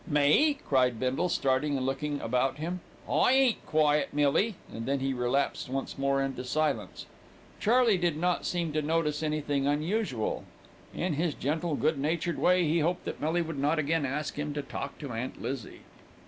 "Me?" cried Bindle, starting and looking about him. "I ain't quiet, Millie," and then he relapsed once more into silence. Charley did not seem to notice anything unusual. In his gentle, good natured way he hoped that Millie would not again ask him to talk to Aunt Lizzie.